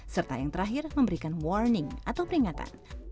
serta yang terakhir memberikan warning atau peringatan